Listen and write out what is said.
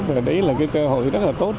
và đấy là cơ hội rất là tốt